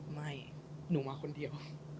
หนูมาคนเดียว